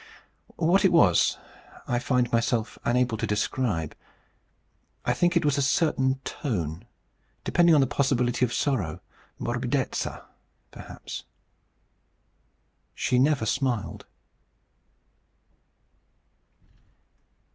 What it was, I find myself unable to describe. I think it was a certain tone, depending upon the possibility of sorrow morbidezza, perhaps. She never smiled.